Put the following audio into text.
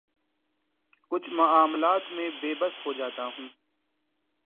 کچھ معاملات میں بے بس ہو جاتا ہوں